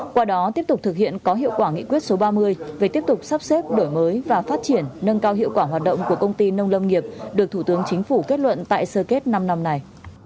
qua đó tiếp tục thực hiện có hiệu quả nghị quyết số ba mươi về tiếp tục sắp xếp đổi mới và phát triển nâng cao hiệu quả hoạt động của công ty nông lâm nghiệp được thủ tướng chính phủ kết luận tại sơ kết năm năm này